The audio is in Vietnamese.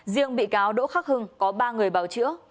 riêng bị cáo đỗ khắc hưng có ba người bảo chữa